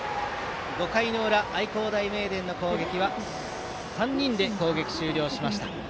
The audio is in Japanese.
５回の裏、愛工大名電の攻撃は３人で終了しました。